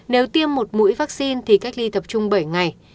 nếu tiêm một mũi vaccine thì cách ly tập trung bảy ngày